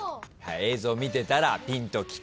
映像見てたらピンときた。